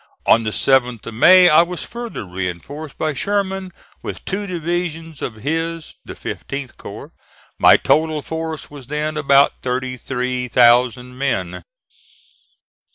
On the 7th of May I was further reinforced by Sherman with two divisions of his, the 15th corps. My total force was then about thirty three thousand men.